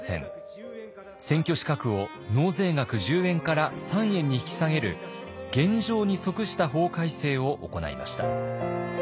選挙資格を納税額１０円から３円に引き下げる現状に即した法改正を行いました。